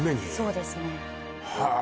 そうですねへえ